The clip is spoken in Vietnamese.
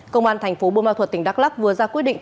công an thành phố bô ma thuật tỉnh đắk lắc vừa ra quyết định